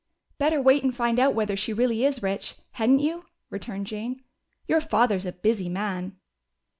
"Better wait and find out whether she really is rich, hadn't you?" returned Jane. "Your father's a busy man."